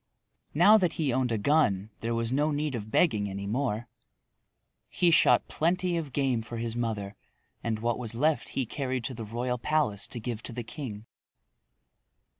Now that he owned a gun there was no need of begging any more. He shot plenty of game for his mother and what was left he carried to the royal palace to give to the king.